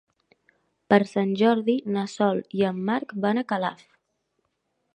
Per Sant Jordi na Sol i en Marc van a Calaf.